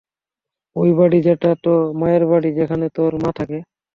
ঐ বাড়ী, যেটা তো মায়ের বাড়ী, যেখানে তোর মা থাকে।